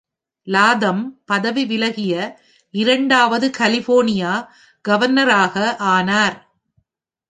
Latham பதவி விலகிய இரண்டாவது கலிபோர்னியா கவர்னராக ஆனார்.